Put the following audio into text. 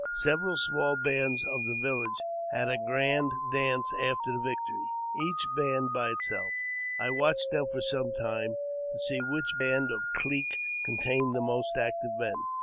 Several small bands of the village had a grand dance after the victory, each band by itself. I watched them for some time, to see which band or clique contained the most active men.